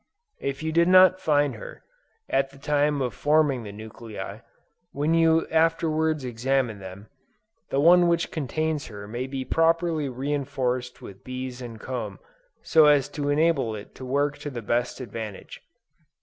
If you did not find her, at the time of forming the nuclei, when you afterwards examine them, the one which contains her may be properly reinforced with bees and comb, so as to enable it to work to the best advantage.